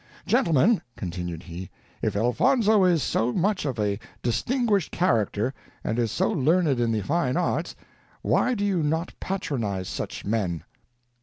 Gentlemen," continued he, "if Elfonzo is so much of a distinguished character, and is so learned in the fine arts, why do you not patronize such men?